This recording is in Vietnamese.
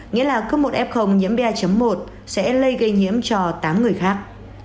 nghĩa là cấp một f nhiễm ba một sẽ lây gây nhiễm cho tám người khác